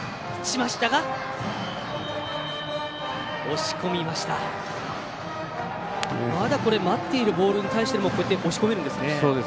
まだ待っているボールに対しても押し込めるんですね。